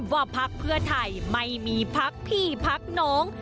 ว่าพักเพื่อไทยไม่มีพักพี่พักน้อง